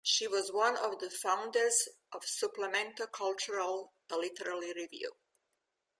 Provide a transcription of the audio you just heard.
She was one of the founders of "Suplemento Cultural," a literary review.